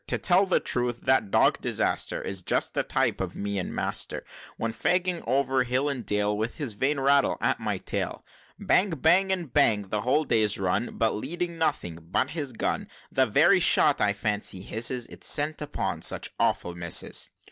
To tell the truth, that dog disaster Is just the type of me and master, When fagging over hill and dale, With his vain rattle at my tail, Bang, bang, and bang, the whole day's run, But leading nothing but his gun The very shot I fancy hisses, It's sent upon such awful misses!"